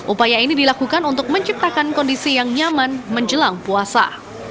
upaya ini dilakukan untuk menciptakan kondisi yang nyaman menjelang puasa